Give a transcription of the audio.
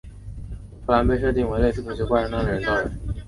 芙兰被设定为类似科学怪人那样的人造人。